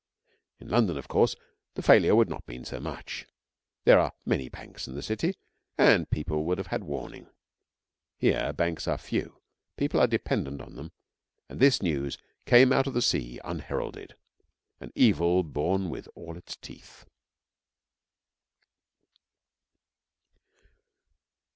In London, of course, the failure would not mean so much; there are many banks in the City, and people would have had warning. Here banks are few, people are dependent on them, and this news came out of the sea unheralded, an evil born with all its teeth.